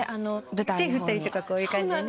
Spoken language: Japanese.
手振ったりとかこういう感じでね。